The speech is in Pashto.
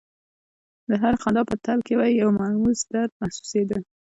د هرې خندا په تل کې به یې یو مرموز درد محسوسېده